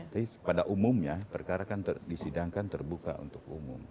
tapi pada umumnya perkara kan disidangkan terbuka untuk umum